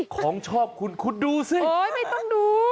ของชอบคุณคุณดูสิไม่ต้องดู